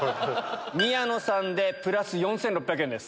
宮野さんプラス４６００円です。